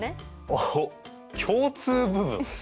おっ共通部分？